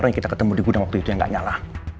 yang kita ketemu di gudang waktu itu dia nggak nyala